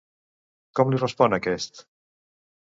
Com li respon aquest?